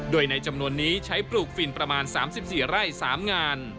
โดยในจำนวนนี้ใช้ปลูกฟินประมาณ๓๔ไร่๓งาน